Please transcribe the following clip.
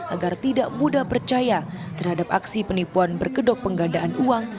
agar tidak mudah percaya terhadap aksi penipuan berkedok penggandaan uang